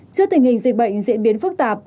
trước tình hình dịch bệnh diễn biến phức tạp